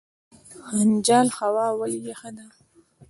خنجان هوا ولې یخه ده؟